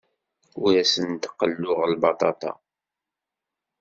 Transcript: Ur asen-d-qelluɣ lbaṭaṭa.